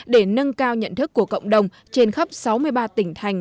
để nâng cao nhận thức của cộng đồng trên khắp sáu mươi ba tỉnh thành